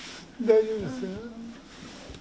大丈夫ですよ。